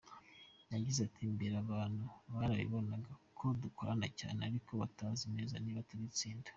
Yagize ati” Mbere abantu barabibonaga ko dukorana cyane ariko batazi neza niba turi itsinda.